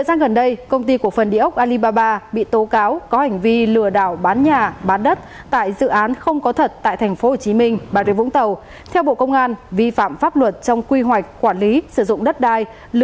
xin chào và hẹn gặp lại